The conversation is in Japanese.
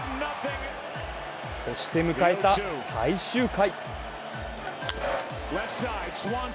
そして迎えた最終回。